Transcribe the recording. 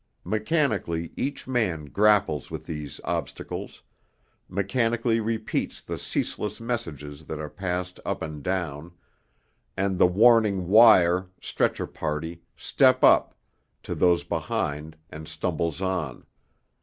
Mechanically each man grapples with these obstacles, mechanically repeats the ceaseless messages that are passed up and down, and the warning 'Wire,' 'Stretcher party', 'Step up,' to those behind, and stumbles on.